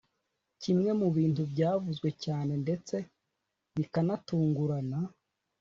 Kimwe mu bintu byavuzwe cyane ndetse bikanatungurana